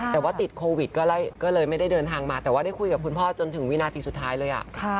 แต่ว่าติดโควิดก็เลยไม่ได้เดินทางมาแต่ว่าได้คุยกับคุณพ่อจนถึงวินาทีสุดท้ายเลย